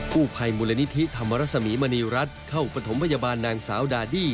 ผู้ภัยมูลนิธิธรรมรสมีมณีรัฐเข้าปฐมพยาบาลนางสาวดาดี้